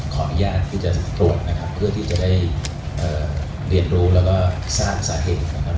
ขออนุญาตที่จะตรวจนะครับเพื่อที่จะได้เรียนรู้แล้วก็ทราบสาเหตุนะครับ